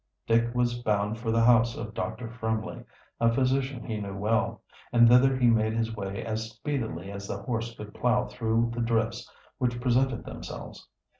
Dick was bound for the house of Dr. Fremley, a physician he knew well, and thither he made his way as speedily as the horse could plow through the drifts which presented themselves.